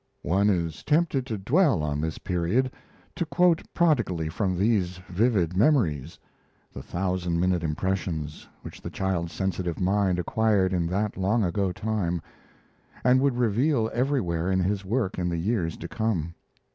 One is tempted to dwell on this period, to quote prodigally from these vivid memories the thousand minute impressions which the child's sensitive mind acquired in that long ago time and would reveal everywhere in his work in the years to come.